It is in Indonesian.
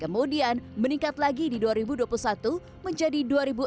kemudian meningkat lagi di dua ribu dua puluh satu menjadi dua enam ratus lima puluh sembilan